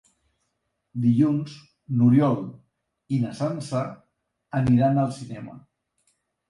Dilluns n'Oriol i na Sança aniran al cinema.